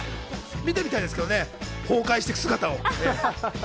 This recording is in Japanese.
見てみたいですけどね、崩壊していく姿を。